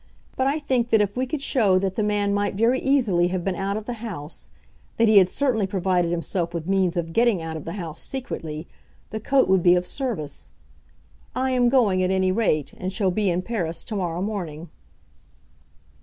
But I think that if we could show that the man might very easily have been out of the house, that he had certainly provided himself with means of getting out of the house secretly, the coat would be of service. I am going at any rate; and shall be in Paris to morrow morning."